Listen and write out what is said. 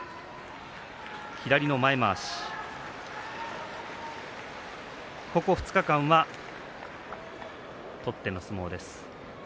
左の前まわし、ここ２日間は取っての相撲です。